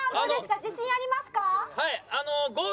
自信ありますか？